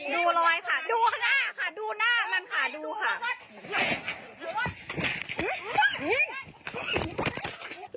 ดูรอยค่ะดูข้างหน้าค่ะดูหน้ามันค่ะดูค่ะ